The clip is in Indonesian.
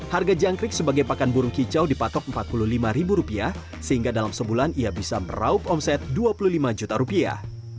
harga jangkrik sebagai pakan burung kicau dipatok rp empat puluh lima sehingga dalam sebulan ia bisa meraup omset dua puluh lima juta rupiah